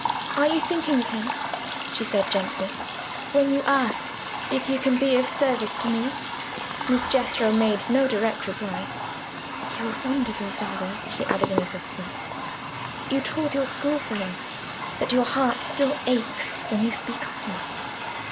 "Are you thinking of him," she said gently, "when you ask if you can be of service to me?" Miss Jethro made no direct reply. "You were fond of your father?" she added, in a whisper. "You told your schoolfellow that your heart still aches when you speak of him."